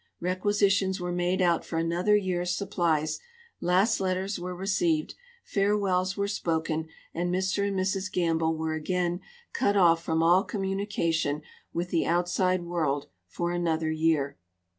Requisitions were made out for another year's supplies, last letters were received, urewells were spoken, and Mr and Mrs Gamlffe were again cut off from all communication with the outside world for another year.